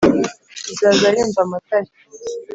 izaza yumva amatare